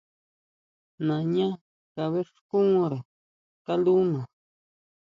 Nañá kabʼéxkunre kalúna.